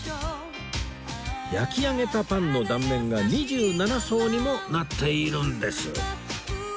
焼き上げたパンの断面が２７層にもなっているんです